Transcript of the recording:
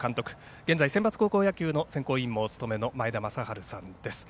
現在センバツ高校野球選考委員もお務めになっている前田正治さんです。